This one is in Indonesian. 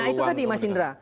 nah itu tadi mas indra